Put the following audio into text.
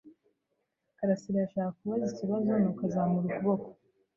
Karasirayashakaga kubaza ikibazo, nuko azamura ukuboko.